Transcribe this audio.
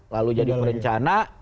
lalu jadi perencana